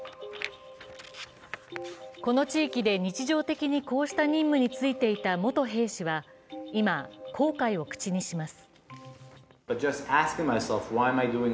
この地域で日常的にこうした任務についていた元兵士は、今、後悔を口にします。